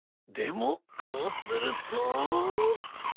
でもこうすると。